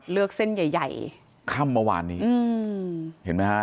เลือกเส้นใหญ่ค่ำมาวานนี้อืมเห็นไหมฮะ